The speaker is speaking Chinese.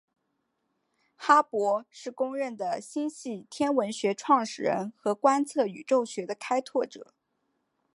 哈勃是公认的星系天文学创始人和观测宇宙学的开拓者。